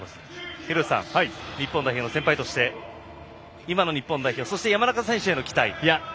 廣瀬さん日本代表の先輩として今の日本代表、そして山中選手への期待は。